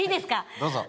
どうぞ。